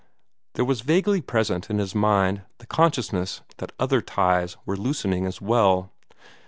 There was vaguely present in his mind the consciousness that other ties were loosening as well.